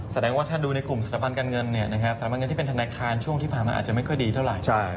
แสดงว่าถ้าดูในกลุ่มสถาบันการเงินสถาบันเงินที่เป็นธนาคารช่วงที่ผ่านมาอาจจะไม่ค่อยดีเท่าไหร่